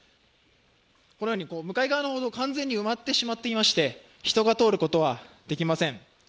このように向かい側の歩道、完全に埋まってしまっていまして、人が通ることはできません。